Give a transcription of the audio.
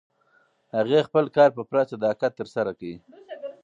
هغې خپل کار په پوره صداقت ترسره کړ.